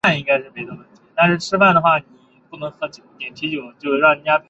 拟杆菌属被归类在革兰氏阴性菌和专性厌氧菌中。